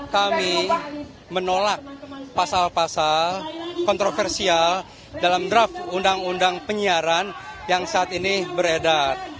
kami menolak pasal pasal kontroversial dalam draft undang undang penyiaran yang saat ini beredar